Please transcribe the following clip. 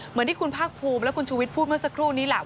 เหมือนที่คุณภาคภูมิและคุณชูวิทย์พูดเมื่อสักครู่นี้แหละ